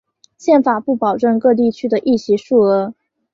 宪法不保证各地区的议席数额。